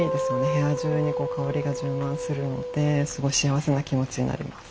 部屋中にこう香りが充満するのですごい幸せな気持ちになります。